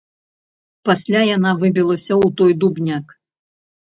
Пасля яна выбілася ў той дубняк.